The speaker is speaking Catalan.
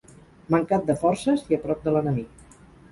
Mancat de forces i a prop de l'enemic.